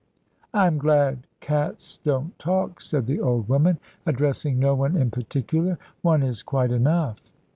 "I am glad cats don't talk," said the old woman, addressing no one in particular. "One is quite enough."